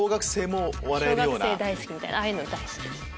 小学生大好きみたいなああいうのが大好きです。